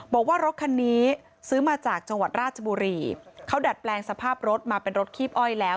บอกว่ารถคันนี้ซื้อมาจากจังหวัดราชบุรีเขาดัดแปลงสภาพรถมาเป็นรถคีบอ้อยแล้ว